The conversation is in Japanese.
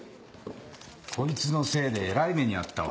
こいつのせいでえらい目に遭ったわ。